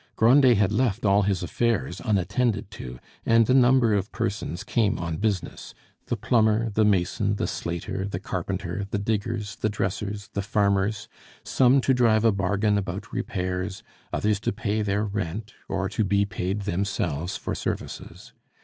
Grandet had left all his affairs unattended to, and a number of persons came on business, the plumber, the mason, the slater, the carpenter, the diggers, the dressers, the farmers; some to drive a bargain about repairs, others to pay their rent or to be paid themselves for services.